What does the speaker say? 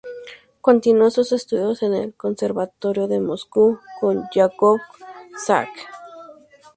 Continuó sus estudios en el Conservatorio de Moscú con Yakov Zak.